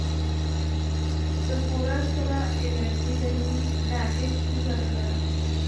د خوراک سره الرجی لرئ؟ نه، هیڅ ستونزه نه لرم